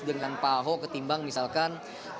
dengan pak ahok ketimbang misalkan